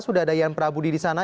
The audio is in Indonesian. sudah ada yan prabudi di sana